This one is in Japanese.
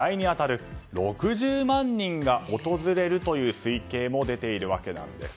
例年の倍に当たる６０万人が訪れるという推計も出ているわけなんです。